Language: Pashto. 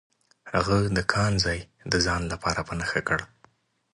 هغه د کان ځای د ځان لپاره په نښه کړ.